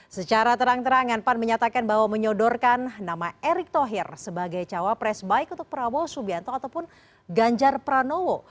secara terang terangan pan menyatakan bahwa menyodorkan nama erick thohir sebagai cawapres baik untuk prabowo subianto ataupun ganjar pranowo